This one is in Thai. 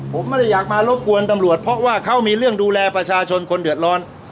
ผมไม่ได้อยากมารบกวนตำรวจเพราะว่าเขามีเรื่องดูแลประชาชนคนเดือดร้อน